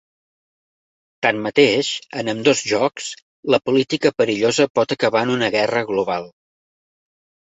Tanmateix, en ambdós jocs, la política perillosa pot acabar en una guerra global.